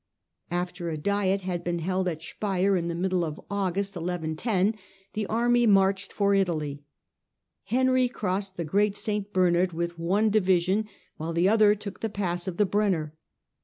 After a diet had been held at Speier, in the middle of August, the army marched for Italy ; Henry crossed the great St. Bernard with one division, while the other took the pass of the Brenner.